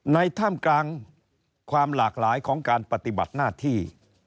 ท่ามกลางความหลากหลายของการปฏิบัติหน้าที่